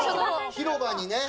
広場にね。